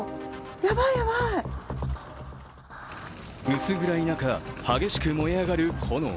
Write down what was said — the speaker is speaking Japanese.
薄暗い中、激しく燃え上がる炎。